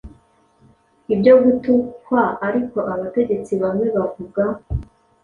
ibyo gutukwa ariko abategetsi bamwe bavuga